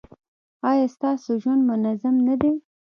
ایا ستاسو ژوند منظم نه دی؟